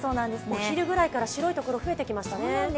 お昼ぐらいから白いところ、増えてきましたね。